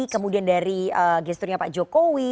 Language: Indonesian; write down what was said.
kemudian dari gesture nya pak jokowi